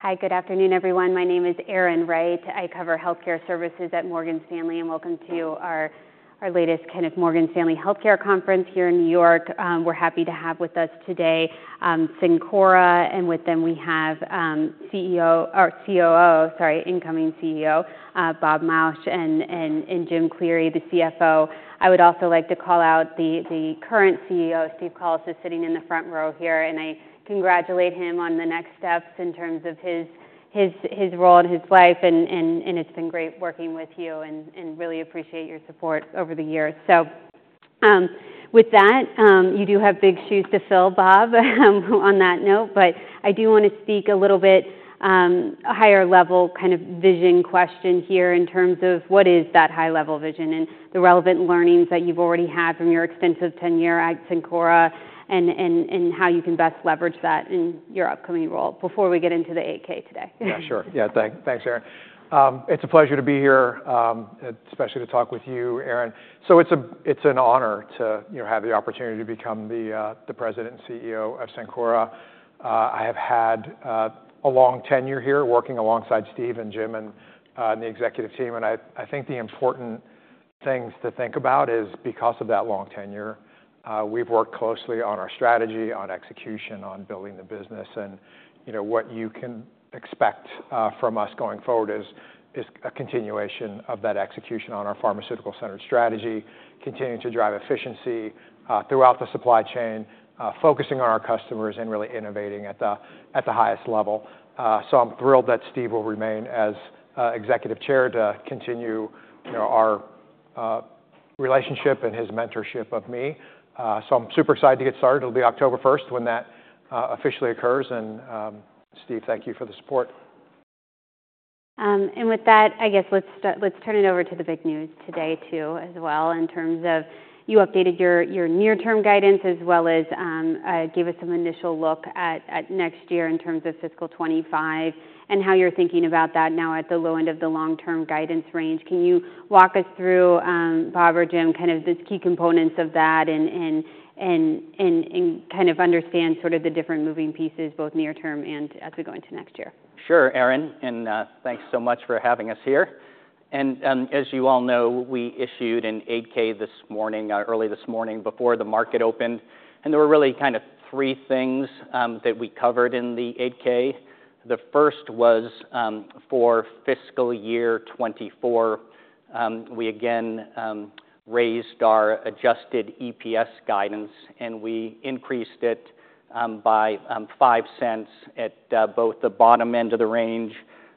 Hi, good afternoon, everyone. My name is Erin Wright. I cover healthcare services at Morgan Stanley, and welcome to our, our latest kind of Morgan Stanley Healthcare Conference here in New York. We're happy to have with us today, Cencora, and with them, we have, CEO or COO, sorry, incoming CEO, Bob Mauch, and, and Jim Cleary, the CFO. I would also like to call out the, the current CEO, Steven Collis, is sitting in the front row here, and I congratulate him on the next steps in terms of his, his, his role and his life, and, and, and it's been great working with you and, and really appreciate your support over the years. With that, you do have big shoes to fill, Bob, on that note. But I do wanna speak a little bit, a higher level, kind of, vision question here in terms of what is that high-level vision and the relevant learnings that you've already had from your extensive tenure at Cencora, and how you can best leverage that in your upcoming role before we get into the 8-K today. Yeah, sure. Yeah, thanks, Erin. It's a pleasure to be here, especially to talk with you, Erin. So it's an honor to, you know, have the opportunity to become the president and CEO of Cencora. I have had a long tenure here, working alongside Steve and Jim and the executive team, and I think the important things to think about is because of that long tenure, we've worked closely on our strategy, on execution, on building the business. And, you know, what you can expect from us going forward is a continuation of that execution on our pharmaceutical-centered strategy, continuing to drive efficiency throughout the supply chain, focusing on our customers, and really innovating at the highest level. So I'm thrilled that Steve will remain as executive chair to continue, you know, our relationship and his mentorship of me. So I'm super excited to get started. It'll be October 1st when that officially occurs, and Steve, thank you for the support. And with that, I guess let's start, let's turn it over to the big news today, too, as well, in terms of you updated your near-term guidance, as well as, gave us some initial look at next year in terms of fiscal 2025 and how you're thinking about that now at the low end of the long-term guidance range. Can you walk us through, Bob or Jim, kind of the key components of that and kind of understand sort of the different moving pieces, both near-term and as we go into next year? Sure, Erin, and thanks so much for having us here, and as you all know, we issued an 8-K this morning, early this morning before the market opened, and there were really kind of three things that we covered in the 8-K. The first was for fiscal year 2024, we again raised our Adjusted EPS guidance, and we increased it by $0.05 at both the bottom end of the range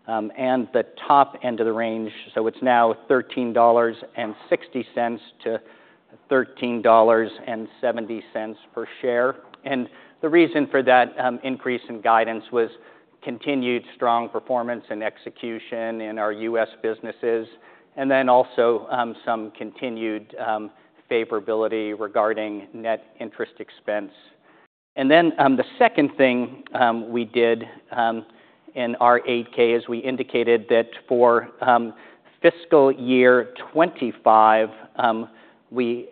and the top end of the range, so it's now $13.60-$13.70 per share, and the reason for that increase in guidance was continued strong performance and execution in our U.S. businesses, and then also some continued favorability regarding net interest expense. And then, the second thing we did in our 8-K is we indicated that for fiscal year 2025, we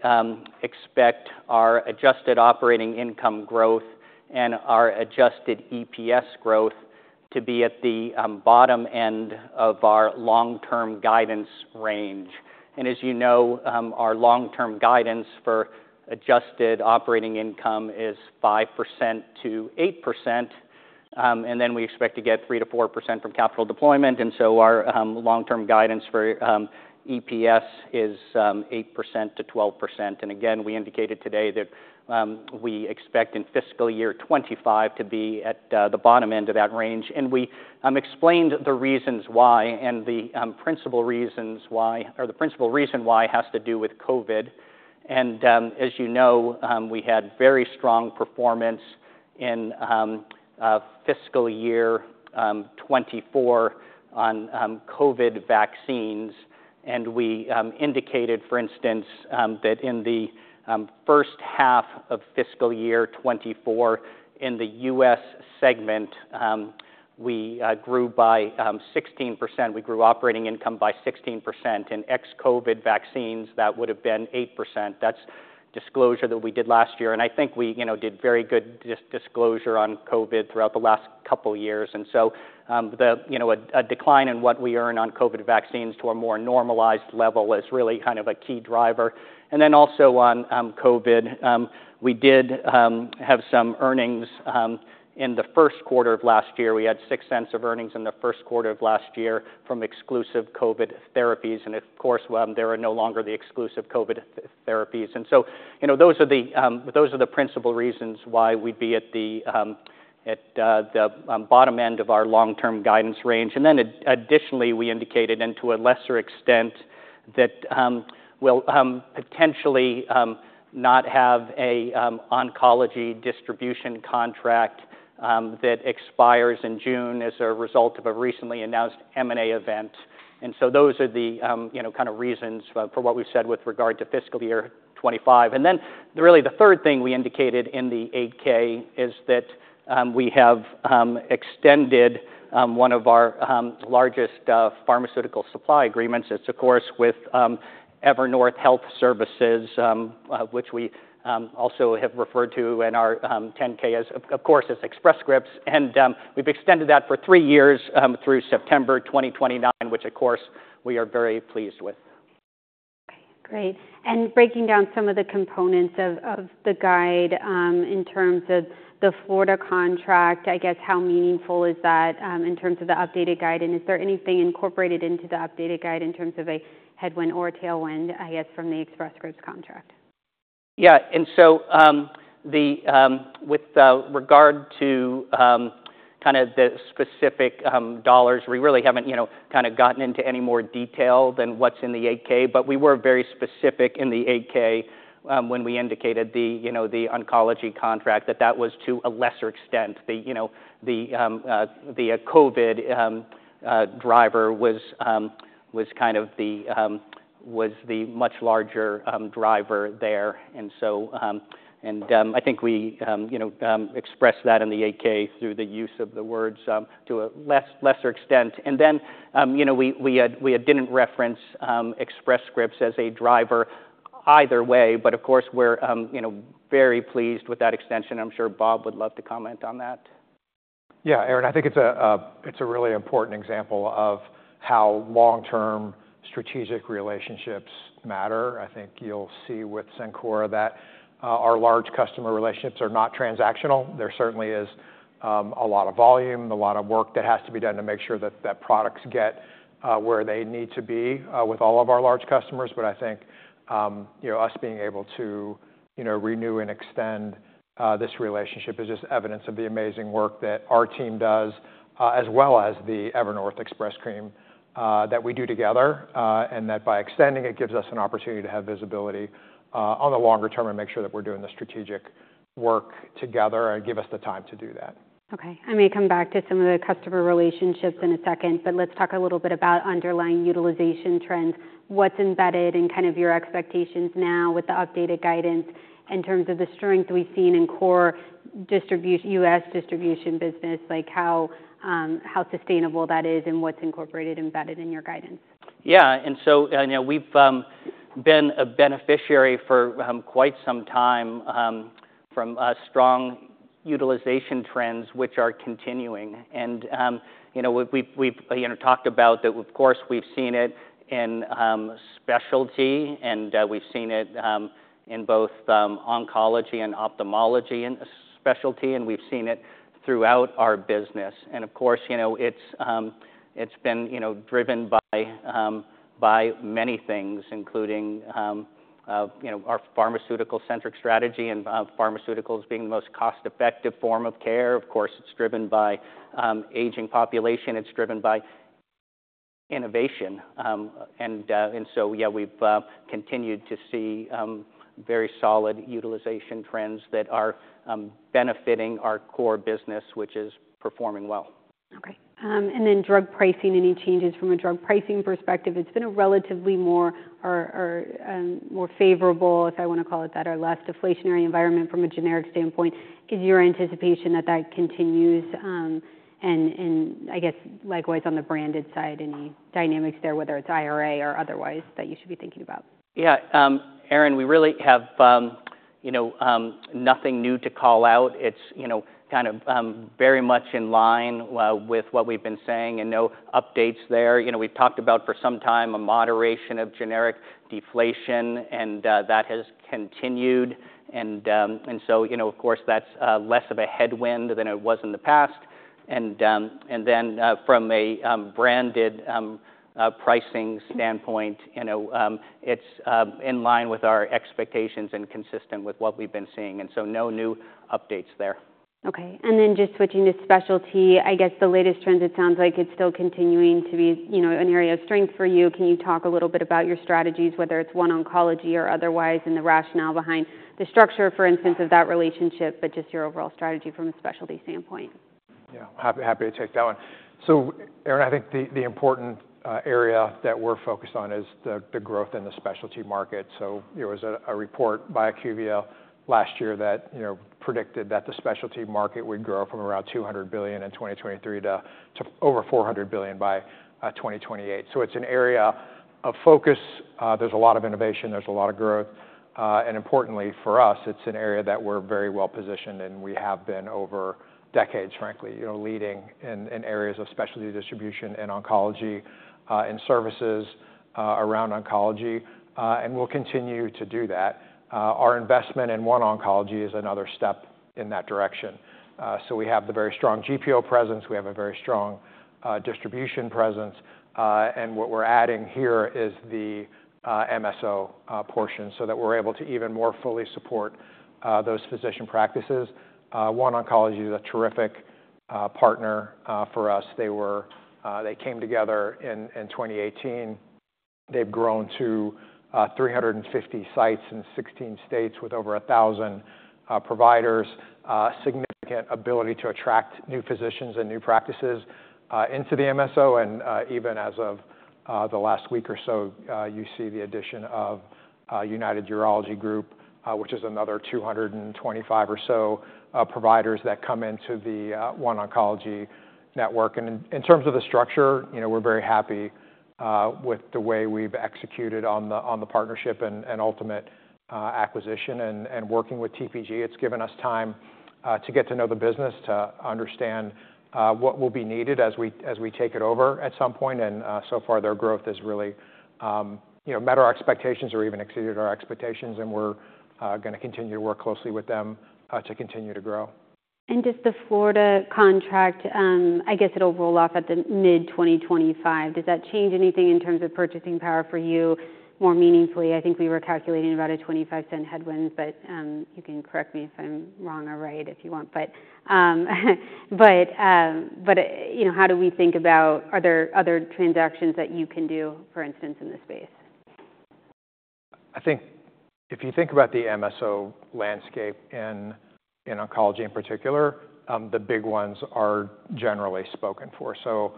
expect our Adjusted Operating Income growth and our Adjusted EPS growth to be at the bottom end of our long-term guidance range. And as you know, our long-term guidance for Adjusted Operating Income is 5%-8%, and then we expect to get 3%-4% from capital deployment, and so our long-term guidance for EPS is 8%-12%. And again, we indicated today that we expect in fiscal year 2025 to be at the bottom end of that range. And we explained the reasons why, and the principal reasons why, or the principal reason why has to do with COVID. And, as you know, we had very strong performance in fiscal year 2024 on COVID vaccines, and we indicated, for instance, that in the first half of fiscal year 2024, in the U.S. segment, we grew by 16%. We grew operating income by 16%. In ex-COVID vaccines, that would've been 8%. That's disclosure that we did last year, and I think we, you know, did very good disclosure on COVID throughout the last couple of years. And so, you know, a decline in what we earn on COVID vaccines to a more normalized level is really kind of a key driver. And then also on COVID, we did have some earnings in the Q1 of last year. We had $0.06 of earnings in the Q1 of last year from exclusive COVID therapies, and of course, they are no longer the exclusive COVID therapies. And so, you know, those are the principal reasons why we'd be at the bottom end of our long-term guidance range. And then additionally, we indicated, and to a lesser extent, that we'll potentially not have a oncology distribution contract that expires in June as a result of a recently announced M&A event. And so those are the, you know, kind of reasons for what we've said with regard to fiscal year 2025. And then really, the third thing we indicated in the 8-K is that we have extended one of our largest pharmaceutical supply agreements. It's, of course, with Evernorth Health Services, which we also have referred to in our 10-K as, of course, as Express Scripts, and we've extended that for three years through September 2029, which, of course, we are very pleased with. Great. And breaking down some of the components of the guide, in terms of the Florida contract, I guess, how meaningful is that, in terms of the updated guide? And is there anything incorporated into the updated guide in terms of a headwind or a tailwind, I guess, from the Express Scripts contract? Yeah, and so, with regard to kind of the specific dollars, we really haven't, you know, kind of gotten into any more detail than what's in the 8-K. But we were very specific in the 8-K when we indicated, you know, the oncology contract, that that was to a lesser extent. The COVID driver was the much larger driver there. And so, I think we, you know, expressed that in the 8-K through the use of the words to a lesser extent. And then, you know, we had, we didn't reference Express Scripts as a driver either way. But of course, we're, you know, very pleased with that extension. I'm sure Bob would love to comment on that. Yeah, Erin, I think it's a, it's a really important example of how long-term strategic relationships matter. I think you'll see with Cencora that, our large customer relationships are not transactional. There certainly is a lot of volume, a lot of work that has to be done to make sure that products get where they need to be with all of our large customers. But I think, you know, us being able to, you know, renew and extend this relationship is just evidence of the amazing work that our team does as well as the Evernorth, Express Scripts that we do together. And that by extending it, gives us an opportunity to have visibility on the longer term and make sure that we're doing the strategic work together and give us the time to do that. Okay, I may come back to some of the customer relationships in a second, but let's talk a little bit about underlying utilization trends. What's embedded in kind of your expectations now with the updated guidance in terms of the strength we've seen in core distribution US distribution business? Like, how, how sustainable that is, and what's incorporated, embedded in your guidance. Yeah, and so, you know, we've been a beneficiary for quite some time from strong utilization trends, which are continuing. And, you know, we've talked about that, of course, we've seen it in specialty, and we've seen it in both oncology and ophthalmology and specialty, and we've seen it throughout our business. And of course, you know, it's been driven by many things, including, you know, our pharmaceutical-centric strategy and pharmaceuticals being the most cost-effective form of care. Of course, it's driven by aging population, it's driven by innovation. And so, yeah, we've continued to see very solid utilization trends that are benefiting our core business, which is performing well. Okay. And then drug pricing, any changes from a drug pricing perspective? It's been a relatively more favorable, if I want to call it that, or less deflationary environment from a generic standpoint. Is your anticipation that that continues, and I guess likewise on the branded side, any dynamics there, whether it's IRA or otherwise, that you should be thinking about? Yeah, Erin, we really have, you know, nothing new to call out. It's, you know, kind of very much in line with what we've been saying and no updates there. You know, we've talked about for some time a moderation of generic deflation, and that has continued. And so, you know, of course, that's less of a headwind than it was in the past. And then, from a branded pricing standpoint, you know, it's in line with our expectations and consistent with what we've been seeing, and so no new updates there. Okay. And then just switching to specialty, I guess the latest trends, it sounds like it's still continuing to be, you know, an area of strength for you. Can you talk a little bit about your strategies, whether it's OneOncology or otherwise, and the rationale behind the structure, for instance, of that relationship, but just your overall strategy from a specialty standpoint? Yeah, happy, happy to take that one. So, Erin, I think the important area that we're focused on is the growth in the specialty market. So there was a report by IQVIA last year that, you know, predicted that the specialty market would grow from around $200 billion in 2023 to over $400 billion by 2028. So it's an area of focus. There's a lot of innovation, there's a lot of growth. And importantly, for us, it's an area that we're very well positioned, and we have been over decades, frankly, you know, leading in areas of specialty distribution and oncology, and services around oncology, and we'll continue to do that. Our investment in OneOncology is another step in that direction. So we have the very strong GPO presence, we have a very strong distribution presence, and what we're adding here is the MSO portion, so that we're able to even more fully support those physician practices. OneOncology is a terrific partner for us. They came together in 2018. They've grown to 350 sites in 16 states with over 1,000 providers. Significant ability to attract new physicians and new practices into the MSO. And even as of the last week or so, you see the addition of United Urology Group, which is another 225 or so providers that come into the OneOncology network. And in terms of the structure, you know, we're very happy with the way we've executed on the partnership and ultimate acquisition, and working with TPG, it's given us time to get to know the business, to understand what will be needed as we take it over at some point, and so far, their growth has really, you know, met our expectations or even exceeded our expectations, and we're gonna continue to work closely with them to continue to grow. And just the Florida contract, I guess it'll roll off at the mid-2025. Does that change anything in terms of purchasing power for you more meaningfully? I think we were calculating about a $0.25 headwind, but you can correct me if I'm wrong or right, if you want. But you know, how do we think about? Are there other transactions that you can do, for instance, in this space? I think if you think about the MSO landscape in oncology, in particular, the big ones are generally spoken for. So,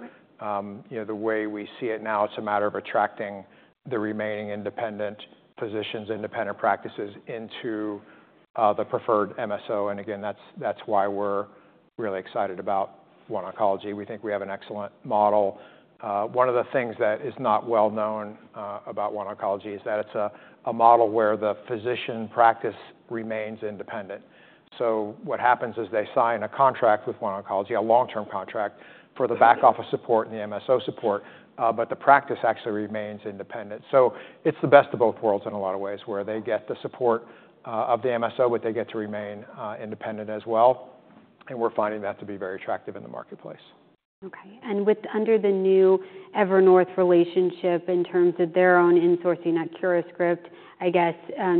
you know, the way we see it now, it's a matter of attracting the remaining independent physicians, independent practices into the preferred MSO. And again, that's why we're really excited about OneOncology. We think we have an excellent model. One of the things that is not well known about OneOncology is that it's a model where the physician practice remains independent. So what happens is they sign a contract with OneOncology, a long-term contract, for the back office support and the MSO support, but the practice actually remains independent. So it's the best of both worlds in a lot of ways, where they get the support of the MSO, but they get to remain independent as well, and we're finding that to be very attractive in the marketplace. Okay. And under the new Evernorth relationship, in terms of their own insourcing at CuraScript, I guess,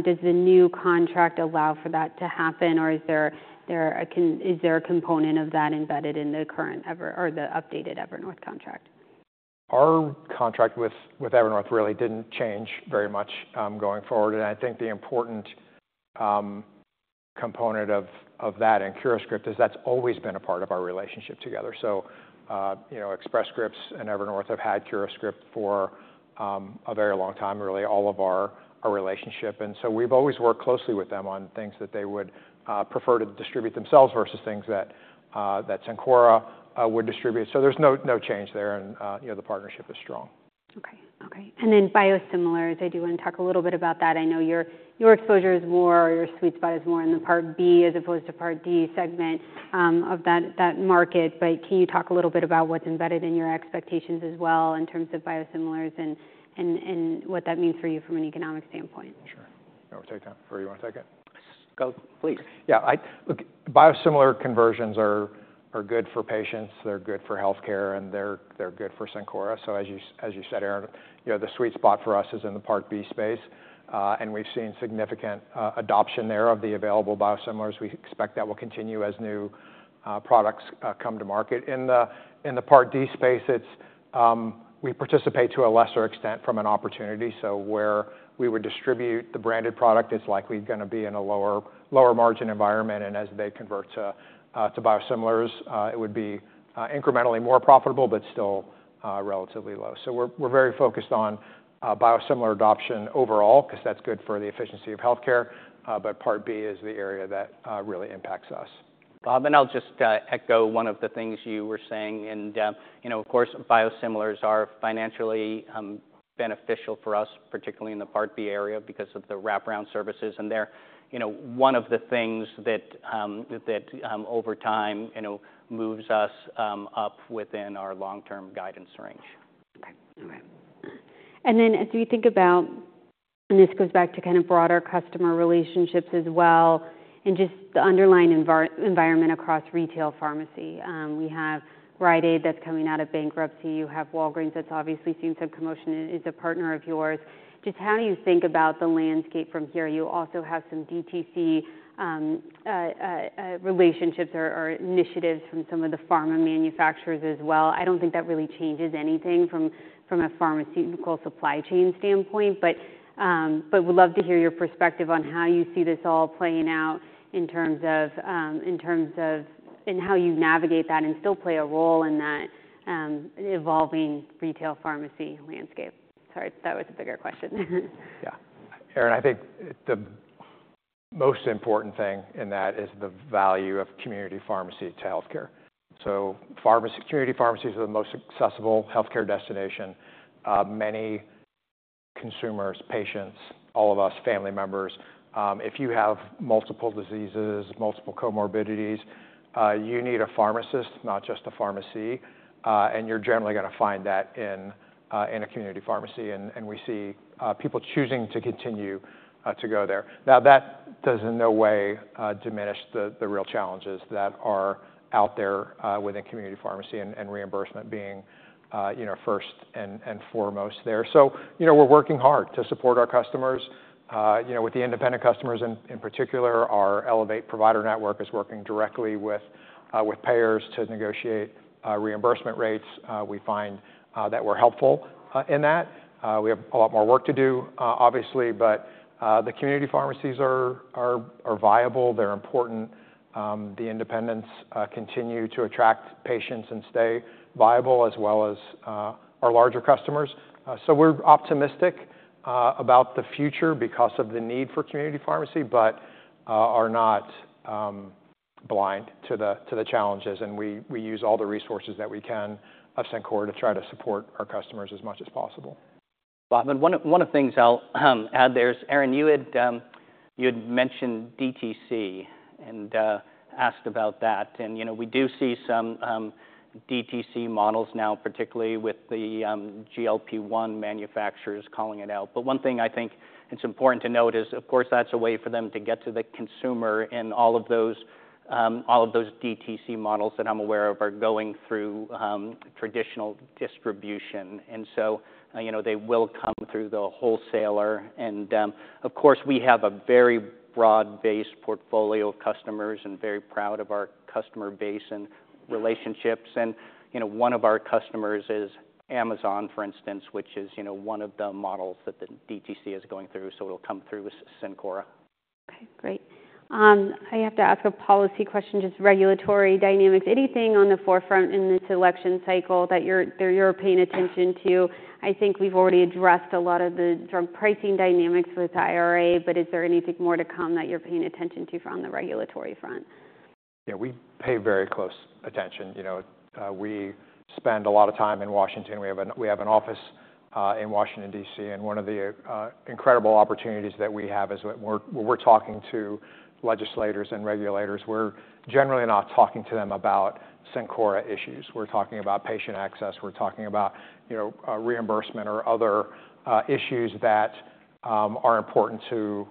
does the new contract allow for that to happen, or is there a component of that embedded in the current or the updated Evernorth contract? Our contract with Evernorth really didn't change very much, going forward. I think the important component of that in CuraScript is that's always been a part of our relationship together. You know, Express Scripts and Evernorth have had CuraScript for a very long time, really, all of our relationship, and so we've always worked closely with them on things that they would prefer to distribute themselves versus things that Cencora would distribute. There's no change there, and you know, the partnership is strong. Okay. Okay, and then biosimilars, I do want to talk a little bit about that. I know your exposure is more, or your sweet spot is more in the Part B as opposed to Part D segment, of that market. But can you talk a little bit about what's embedded in your expectations as well, in terms of biosimilars and what that means for you from an economic standpoint? Sure. I'll take that for you want to take it? Go, please. Yeah, look, biosimilar conversions are good for patients, they're good for healthcare, and they're good for Cencora. So as you said, Erin, you know, the sweet spot for us is in the Part B space, and we've seen significant adoption there of the available biosimilars. We expect that will continue as new products come to market. In the Part D space, it's we participate to a lesser extent from an opportunity. So where we would distribute the branded product, it's likely gonna be in a lower margin environment, and as they convert to biosimilars, it would be incrementally more profitable, but still relatively low. So we're very focused on biosimilar adoption overall, 'cause that's good for the efficiency of healthcare, but Part B is the area that really impacts us. Bob, and I'll just echo one of the things you were saying. And you know, of course, biosimilars are financially beneficial for us, particularly in the Part B area, because of the wraparound services, and they're you know, one of the things that over time you know moves us up within our long-term guidance range. Okay. All right. And then as we think about, and this goes back to kind of broader customer relationships as well, and just the underlying environment across retail pharmacy, we have Rite Aid that's coming out of bankruptcy. You have Walgreens that's obviously seeing some commotion and is a partner of yours. Just how do you think about the landscape from here? You also have some DTC relationships or initiatives from some of the pharma manufacturers as well. I don't think that really changes anything from a pharmaceutical supply chain standpoint, but would love to hear your perspective on how you see this all playing out in terms of...and how you navigate that and still play a role in that evolving retail pharmacy landscape. Sorry, that was a bigger question. Yeah. Erin, I think the most important thing in that is the value of community pharmacy to healthcare. So pharmacy- community pharmacies are the most accessible healthcare destination. Many consumers, patients, all of us, family members, if you have multiple diseases, multiple comorbidities, you need a pharmacist, not just a pharmacy, and you're generally gonna find that in a community pharmacy, and we see people choosing to continue to go there. Now, that does in no way diminish the real challenges that are out there within community pharmacy and reimbursement being you know, first and foremost there. So, you know, we're working hard to support our customers. You know, with the independent customers in particular, our Elevate Provider Network is working directly with payers to negotiate reimbursement rates. We find that we're helpful in that. We have a lot more work to do, obviously, but the community pharmacies are viable, they're important. The independents continue to attract patients and stay viable, as well as our larger customers. So we're optimistic about the future because of the need for community pharmacy, but are not blind to the challenges, and we use all the resources that we can, of Cencora, to try to support our customers as much as possible. Bob, and one of the things I'll add there is, Erin, you had mentioned DTC and asked about that. And, you know, we do see some DTC models now, particularly with the GLP-1 manufacturers calling it out. But one thing I think it's important to note is, of course, that's a way for them to get to the consumer, and all of those DTC models that I'm aware of are going through traditional distribution. And so, you know, they will come through the wholesaler. And, of course, we have a very broad-based portfolio of customers and very proud of our customer base and relationships. You know, one of our customers is Amazon, for instance, which is, you know, one of the models that the DTC is going through, so it'll come through with Cencora. Okay, great. I have to ask a policy question, just regulatory dynamics. Anything on the forefront in this election cycle that you're paying attention to? I think we've already addressed a lot of the drug pricing dynamics with IRA, but is there anything more to come that you're paying attention to from the regulatory front? Yeah, we pay very close attention. You know, we spend a lot of time in Washington. We have an office in Washington, D.C., and one of the incredible opportunities that we have is when we're talking to legislators and regulators, we're generally not talking to them about Cencora issues. We're talking about patient access. We're talking about, you know, reimbursement or other issues that are important to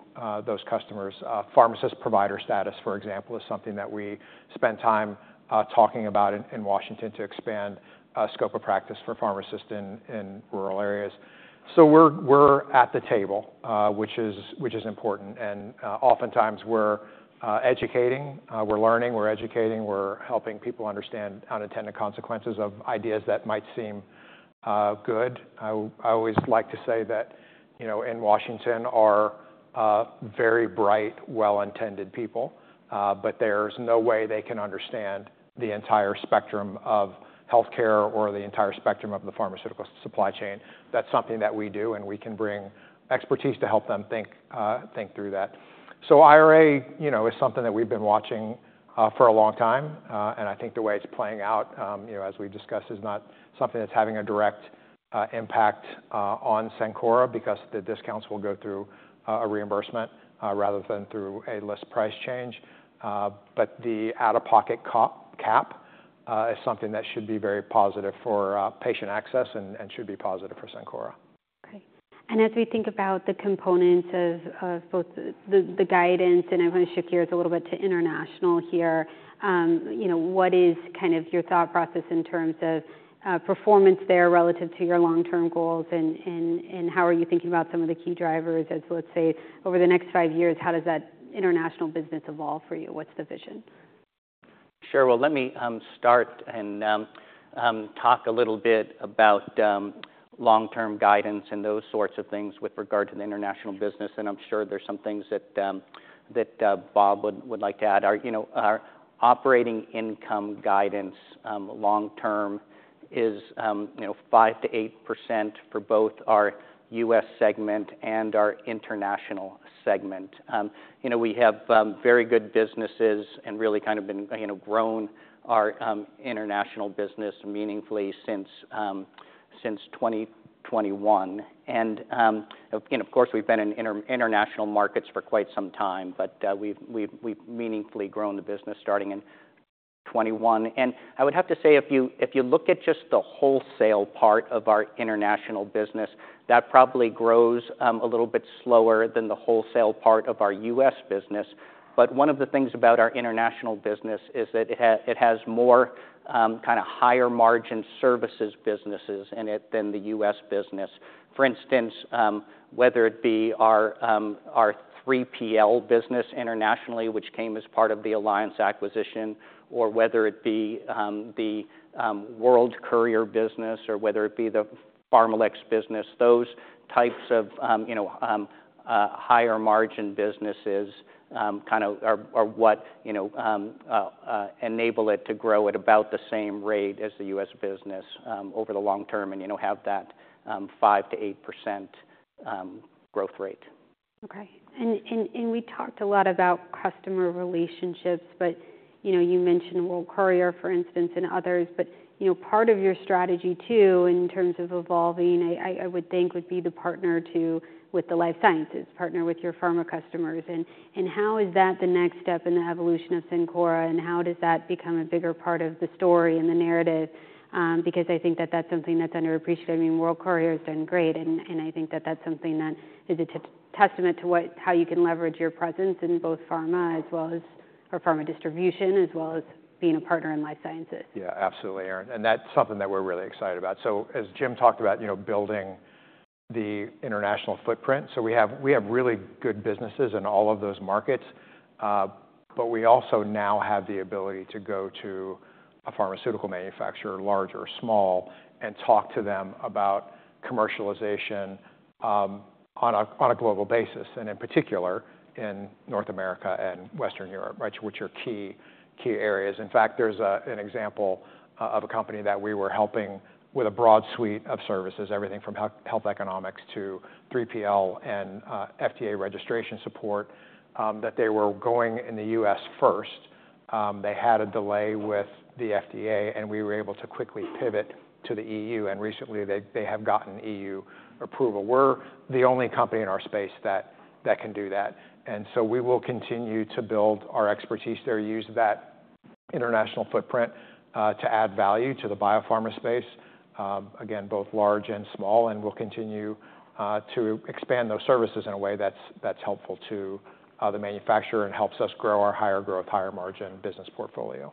those customers. Pharmacist provider status, for example, is something that we spend time talking about in Washington to expand scope of practice for pharmacists in rural areas. So we're at the table, which is important, and oftentimes, we're educating. We're learning, we're educating, we're helping people understand unintended consequences of ideas that might seem good. I always like to say that, you know, in Washington are very bright, well-intended people, but there's no way they can understand the entire spectrum of healthcare or the entire spectrum of the pharmaceutical supply chain. That's something that we do, and we can bring expertise to help them think through that. So IRA, you know, is something that we've been watching for a long time, and I think the way it's playing out, you know, as we've discussed, is not something that's having a direct impact on Cencora because the discounts will go through a reimbursement rather than through a list price change. But the out-of-pocket cap is something that should be very positive for patient access and should be positive for Cencora. Okay. And as we think about the components of both the guidance, and I want to shift gears a little bit to international here, you know, what is kind of your thought process in terms of performance there relative to your long-term goals, and how are you thinking about some of the key drivers as, let's say, over the next five years, how does that international business evolve for you? What's the vision? Sure. Well, let me start and talk a little bit about long-term guidance and those sorts of things with regard to the international business, and I'm sure there's some things that Bob would like to add. Our, you know, our operating income guidance long-term is, you know, 5%-8% for both our U.S. segment and our international segment. You know, we have very good businesses and really kind of been, you know, grown our international business meaningfully since 2021. And, of course, we've been in international markets for quite some time, but we've meaningfully grown the business starting in 2021. And I would have to say, if you look at just the wholesale part of our international business, that probably grows a little bit slower than the wholesale part of our U.S. business. One of the things about our international business is that it has more kind of higher-margin services businesses in it than the U.S. business. For instance, whether it be our 3PL business internationally, which came as part of the Alliance acquisition, or whether it be the World Courier business, or whether it be the PharmaLex business, those types of, you know, higher-margin businesses kind of are what, you know, enable it to grow at about the same rate as the U.S. business over the long term, and you know, have that 5%-8% growth rate. Okay. We talked a lot about customer relationships, but you know, you mentioned World Courier, for instance, and others. But you know, part of your strategy, too, in terms of evolving, I would think would be to partner with the life sciences, partner with your pharma customers. And how is that the next step in the evolution of Cencora, and how does that become a bigger part of the story and the narrative? Because I think that that's something that's underappreciated. I mean, World Courier has done great, and I think that that's something that is a testament to how you can leverage your presence in both pharma, as well as pharma distribution, as well as being a partner in life sciences. Yeah, absolutely, Erin, and that's something that we're really excited about. So as Jim talked about, you know, building the international footprint, so we have really good businesses in all of those markets, but we also now have the ability to go to a pharmaceutical manufacturer, large or small, and talk to them about commercialization, on a global basis, and in particular, in North America and Western Europe, right? Which are key, key areas. In fact, there's an example of a company that we were helping with a broad suite of services, everything from health economics to 3PL and FDA registration support, that they were going in the US first. They had a delay with the FDA, and we were able to quickly pivot to the EU, and recently they have gotten EU approval. We're the only company in our space that can do that. And so we will continue to build our expertise there, use that international footprint, to add value to the biopharma space, again, both large and small. And we'll continue to expand those services in a way that's helpful to the manufacturer and helps us grow our higher growth, higher margin business portfolio.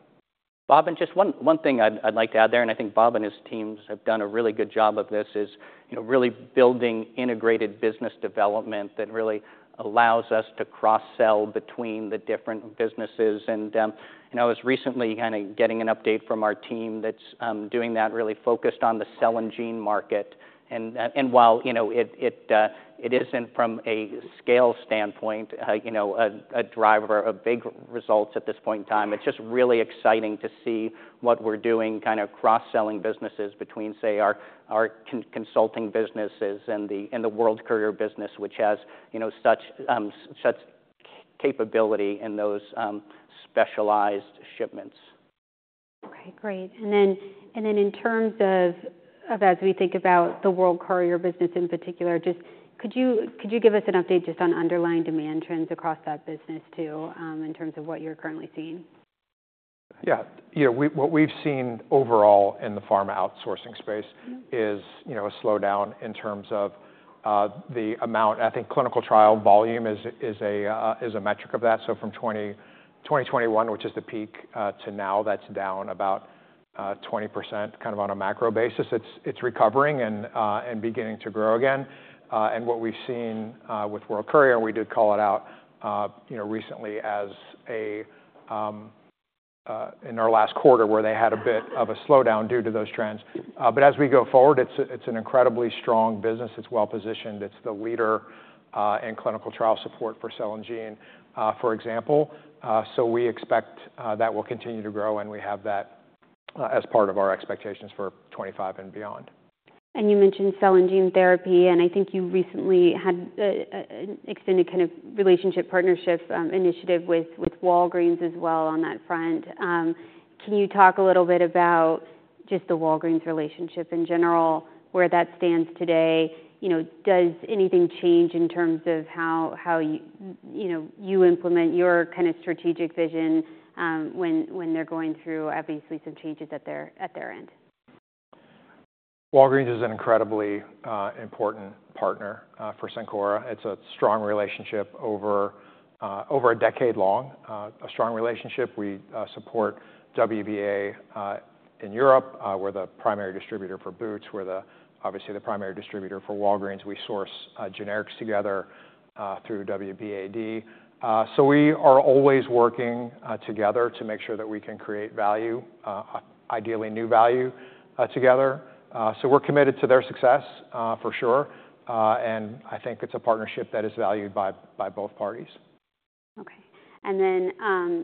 Bob, and just one thing I'd like to add there, and I think Bob and his teams have done a really good job of this, is, you know, really building integrated business development that really allows us to cross-sell between the different businesses. And, you know, I was recently kind of getting an update from our team that's doing that, really focused on the cell and gene market. And while, you know, it isn't from a scale standpoint, you know, a driver of big results at this point in time, it's just really exciting to see what we're doing, kind of cross-selling businesses between, say, our consulting businesses and the World Courier business, which has, you know, such capability in those, specialized shipments. Okay, great. And then in terms of, of as we think about the World Courier business in particular, just could you give us an update just on underlying demand trends across that business, too, in terms of what you're currently seeing? Yeah. Yeah, what we've seen overall in the pharma outsourcing space is, you know, a slowdown in terms of the amount. I think clinical trial volume is a metric of that. So from 2021, which is the peak, to now, that's down about 20%, kind of on a macro basis. It's recovering and beginning to grow again. And what we've seen with World Courier, and we did call it out, you know, recently in our last quarter, where they had a bit of a slowdown due to those trends. But as we go forward, it's an incredibly strong business. It's well-positioned. It's the leader in clinical trial support for cell and gene, for example. So we expect that will continue to grow, and we have that as part of our expectations for 2025 and beyond. You mentioned cell and gene therapy, and I think you recently had an extended kind of relationship, partnership, initiative with Walgreens as well on that front. Can you talk a little bit about just the Walgreens relationship in general, where that stands today? You know, does anything change in terms of how you know you implement your kind of strategic vision, when they're going through, obviously, some changes at their end? Walgreens is an incredibly important partner for Cencora. It's a strong relationship over a decade long. A strong relationship. We support WBA. In Europe, we're the primary distributor for Boots. We're obviously the primary distributor for Walgreens. We source generics together through WBAD. So we are always working together to make sure that we can create value, ideally new value, together. So we're committed to their success, for sure, and I think it's a partnership that is valued by both parties. Okay. And then,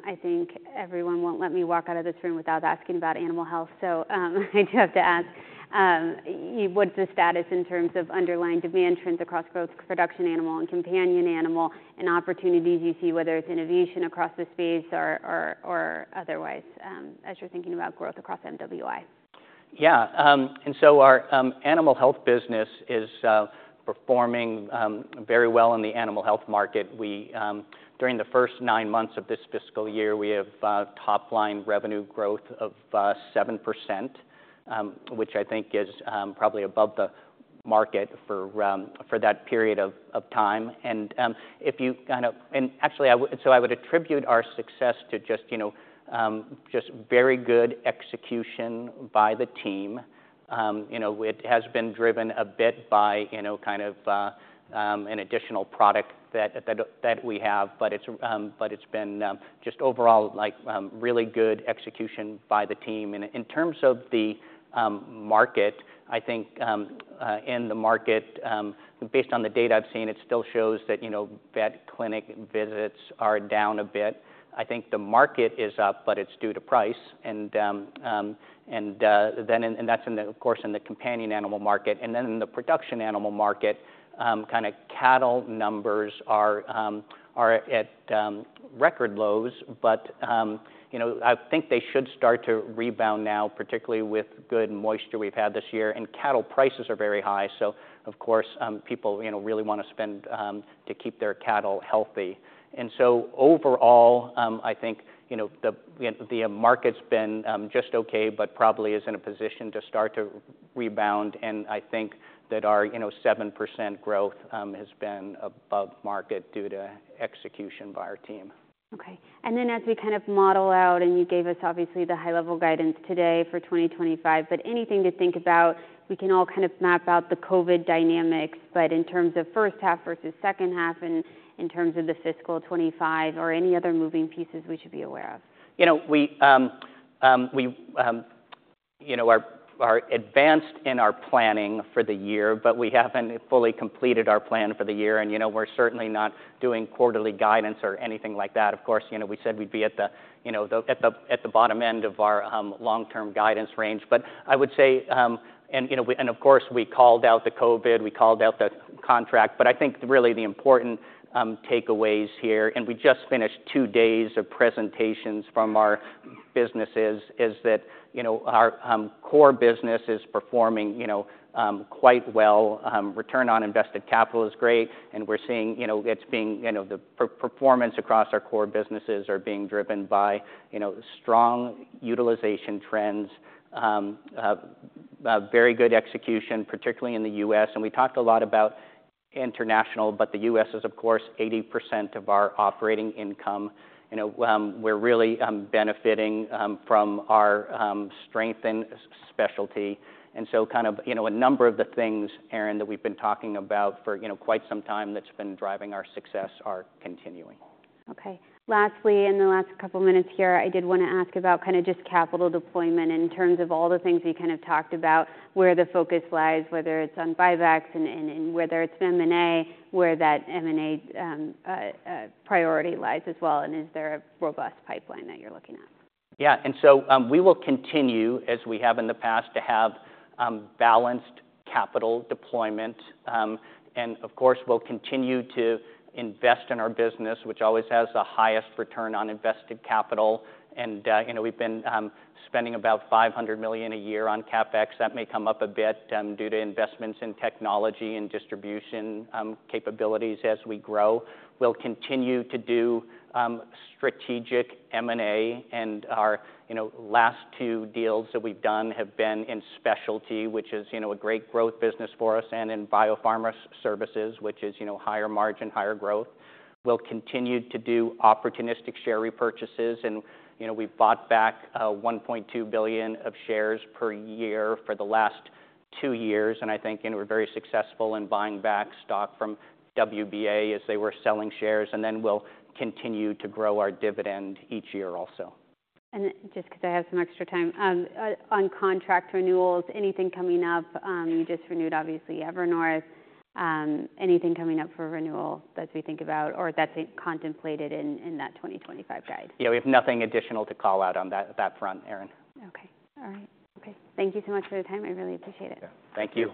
I think everyone won't let me walk out of this room without asking about animal health. So, I do have to ask, what's the status in terms of underlying demand trends across both production animal and companion animal, and opportunities you see, whether it's innovation across the space or otherwise, as you're thinking about growth across MWI? Yeah, and so our animal health business is performing very well in the animal health market. During the first nine months of this fiscal year, we have top-line revenue growth of 7%, which I think is probably above the market for that period of time. And actually, I would attribute our success to just, you know, just very good execution by the team. You know, it has been driven a bit by, you know, kind of an additional product that we have, but it's been just overall, like, really good execution by the team. And in terms of the market, I think based on the data I've seen, it still shows that, you know, vet clinic visits are down a bit. I think the market is up, but it's due to price. And that's in the, of course, in the companion animal market, and then in the production animal market, kind of cattle numbers are at record lows. But you know, I think they should start to rebound now, particularly with good moisture we've had this year, and cattle prices are very high. So of course, people you know, really want to spend to keep their cattle healthy. And so overall, I think, you know, the market's been just okay, but probably is in a position to start to rebound. And I think that our, you know, 7% growth has been above market due to execution by our team. Okay. And then, as we kind of model out, and you gave us, obviously, the high-level guidance today for 2025, but anything to think about, we can all kind of map out the COVID dynamics, but in terms of first half versus second half and in terms of the fiscal 2025 or any other moving pieces we should be aware of? You know, we are advanced in our planning for the year, but we haven't fully completed our plan for the year, and you know, we're certainly not doing quarterly guidance or anything like that. Of course, you know, we said we'd be at the bottom end of our long-term guidance range, but I would say, and you know, of course, we called out the COVID, we called out the contract, but I think really the important takeaways here, and we just finished two days of presentations from our businesses is that, you know, our core business is performing, you know, quite well. Return on invested capital is great, and we're seeing, you know, it's being, you know, the performance across our core businesses are being driven by, you know, strong utilization trends. A very good execution, particularly in the U.S. And we talked a lot about international, but the U.S. is, of course, 80% of our operating income. You know, we're really benefiting from our strength and specialty. And so kind of, you know, a number of the things, Erin, that we've been talking about for, you know, quite some time that's been driving our success are continuing. Okay. Lastly, in the last couple minutes here, I did wanna ask about kinda just capital deployment in terms of all the things you kind of talked about, where the focus lies, whether it's on buybacks and, and whether it's M&A, where that M&A priority lies as well, and is there a robust pipeline that you're looking at? Yeah, and so, we will continue, as we have in the past, to have balanced capital deployment. And, of course, we'll continue to invest in our business, which always has the highest return on invested capital. And, you know, we've been spending about $500 million a year on CapEx. That may come up a bit, due to investments in technology and distribution capabilities as we grow. We'll continue to do strategic M&A, and our, you know, last two deals that we've done have been in specialty, which is, you know, a great growth business for us, and in biopharma services, which is, you know, higher margin, higher growth. We'll continue to do opportunistic share repurchases, and, you know, we've bought back $1.2 billion of shares per year for the last two years. I think, you know, we're very successful in buying back stock from WBA as they were selling shares, and then we'll continue to grow our dividend each year also. Just because I have some extra time, on contract renewals, anything coming up? You just renewed, obviously, Evernorth. Anything coming up for renewal that we think about or that's contemplated in that 2025 guide? Yeah, we have nothing additional to call out on that front, Erin. Okay. All right. Okay. Thank you so much for your time. I really appreciate it. Thank you.